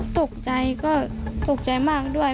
ตกใจก็ตกใจมากด้วย